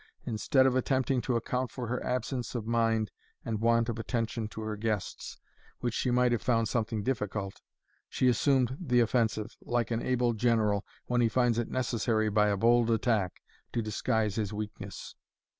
Instead of attempting to account for her absence of mind and want of attention to her guests, which she might have found something difficult, she assumed the offensive, like an able general when he finds it necessary, by a bold attack, to disguise his weakness.